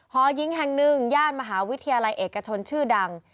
หอยิงแห่งหนึ่งย่านมหาวิทยาลัยเอกชนชื่อดัง